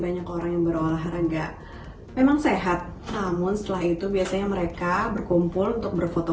banyak orang yang berolahraga memang sehat namun setelah itu biasanya mereka berkumpul untuk berfoto